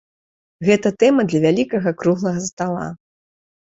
Гэта тэма для вялікага круглага стала.